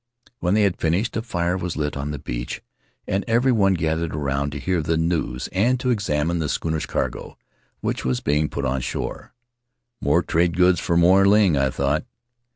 When they had finished, a fire was lit on the beach and everyone gathered around to hear the news and to examine the schooner's cargo which was being put on shore. More trade goods for Moy Ling, I thought.